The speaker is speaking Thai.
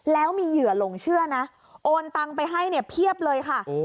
แล้วมีเหยื่อหลงเชื่อนะโอนตังไปให้เนี่ยเพียบเลยค่ะ